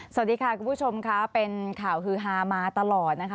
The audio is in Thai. สวัสดีค่ะคุณผู้ชมค่ะเป็นข่าวฮือฮามาตลอดนะคะ